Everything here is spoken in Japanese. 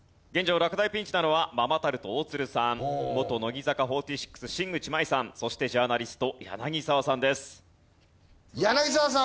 落第ピンチなのはママタルト大鶴さん元乃木坂４６新内眞衣さんそしてジャーナリスト柳澤さんです。